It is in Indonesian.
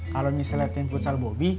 kalau misalnya tim futsal bobi